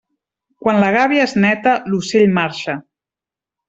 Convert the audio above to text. Quan la gàbia és neta, l'ocell marxa.